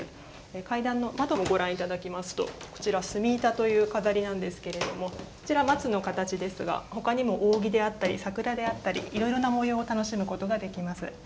階段の窓をご覧いただきますとこちら、隅板という飾りなんですけれどもこちら、松の形ですがほかにも扇であったり桜であったりいろいろな模様を楽しむことができます。